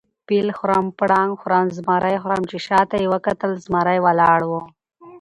فیل خورم، پړانګ خورم، زمرى خورم . چې شاته یې وکتل زمرى ولاړ وو